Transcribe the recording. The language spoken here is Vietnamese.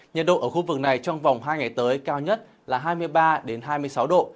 nhiệt độ ở khu vực này trong vòng hai ngày tới cao nhất là hai mươi ba hai mươi sáu độ